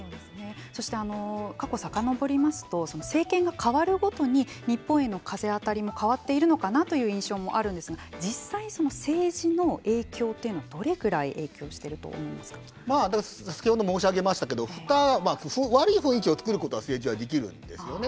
そして過去をさかのぼりますと政権が変わるごとに日本への風当たりも変わっているのかなという印象もあるんですが実際、政治の影響というのはどれぐらい先ほど申し上げましたけどふた悪い雰囲気を作ることは政治ができるんですよね。